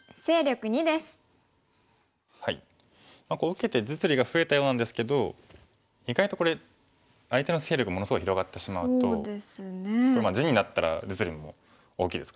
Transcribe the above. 受けて実利が増えたようなんですけど意外とこれ相手の勢力ものすごい広がってしまうとこれ地になったら実利も大きいですからね。